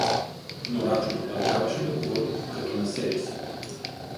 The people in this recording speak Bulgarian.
Но Рачо продължаваше да говори като на себе си.